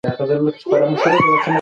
په ځينو ځايونو کې ورته ساختيات وايي.